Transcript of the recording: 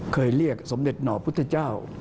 เคยเรียกสมเด็จหน่อพุทธเจ้า